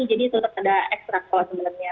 jadi tetap ada extra cost sebenarnya